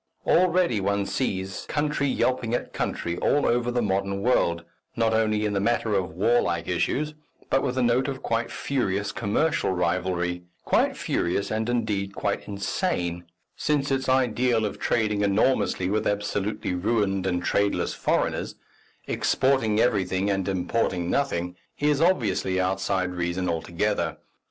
Already one sees country yelping at country all over the modern world, not only in the matter of warlike issues, but with a note of quite furious commercial rivalry quite furious and, indeed, quite insane, since its ideal of trading enormously with absolutely ruined and tradeless foreigners, exporting everything and importing nothing, is obviously outside reason altogether.